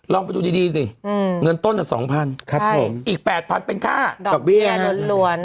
ลองไปดูดีดีสิอืมเงินต้นอันสองพันครับผมอีกแปดพันเป็นค่าดอกเบี้ยร้อนร้อน